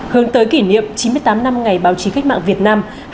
hướng tới kỷ niệm chín mươi tám năm ngày báo chí cách mạng việt nam